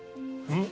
うん。